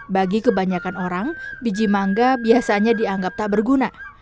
bagi kebanyakan orang biji mangga biasanya dianggap tak berguna